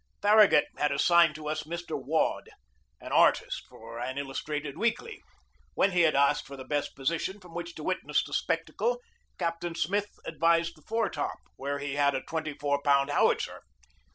Farragut had assigned to us Mr. Waud, an artist for an illustrated weekly. When he had asked for the best position from which to witness the spectacle Captain Smith advised the foretop, where we had a twenty four pound howitzer.